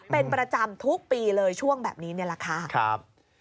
เป็นประจำทุกปีเลยช่วงแบบนี้นี่แหละค่ะ